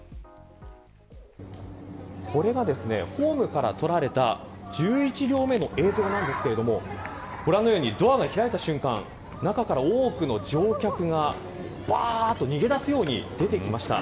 これは、ホームから撮られた１１両目の映像なんですがご覧のように、ドアが開いた瞬間中から多くの乗客がばあっと逃げ出すように出てきました。